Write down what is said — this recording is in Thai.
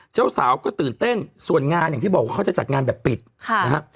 เจ้าสาวก็ตื่นเต้นส่วนงานอย่างที่บอกว่าเขาจะจัดงานแบบปิดค่ะนะฮะ